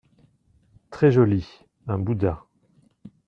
Très joli… un bouddha.